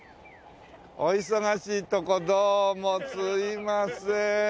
お忙しいとこどうもすいません。